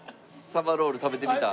ザバロール食べてみたい。